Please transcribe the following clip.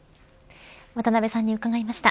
渡辺さんに伺いました。